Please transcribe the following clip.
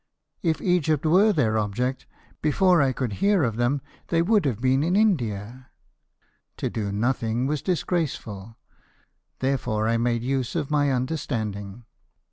If Egypt were their object, before I could hear of them they would have been in India. To do nothmg was disgraceful ; there /iV^ PURSUIT OF THE FRENCH. 133 fore I made use of my understanding.